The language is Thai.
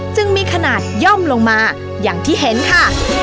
จึงมีขนาดย่อมลงมาอย่างที่เห็นค่ะ